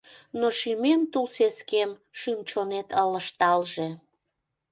Но шӱмем — тул сескем, Шӱм-чонет ылыжталже.